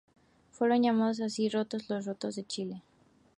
Fueron llamados así los "Rotos de Chile".